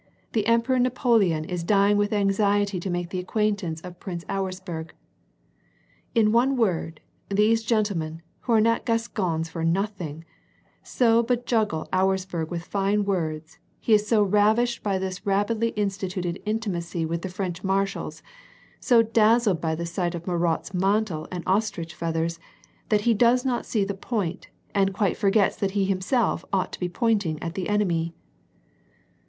The Emperor Napoleon is dying with anxiety to make the acquaintainee of Prince Auersperg !' "In one word, these gentlemen, who are not Gascons for nothing, so bejuggle Auersy^erg with fine words, he is so ravished by this rapidly instituted intimacy with the French marshals, so dazzled by the sight of Murat's mantle and ostrich feathera, that he doesn't see the point, and quite for gets that he himself ought to be pointing at the enemy."